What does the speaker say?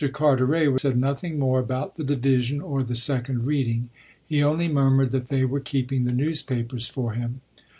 Carteret said nothing more about the division or the second reading; he only murmured that they were keeping the newspapers for him.